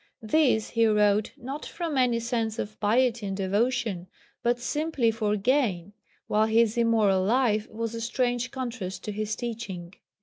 These he wrote, not from any sense of piety and devotion, but simply for gain, while his immoral life was a strange contrast to his teaching.